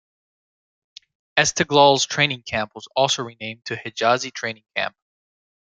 Esteghlal's training camp was also renamed to "Hejazi Training Camp".